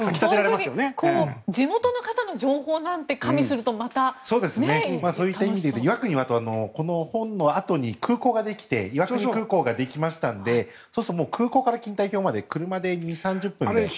地元の方の情報なんて加味すると岩国はあとこの本のあとに空港ができて岩国空港ができましたのでそうすると空港から錦帯橋まで車で２０３０分なんですよね。